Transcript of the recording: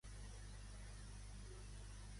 Però què va ocórrer quan van marxar a Delfos?